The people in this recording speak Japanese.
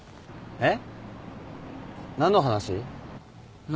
・えっ！